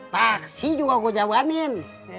taksi juga gua jawabkan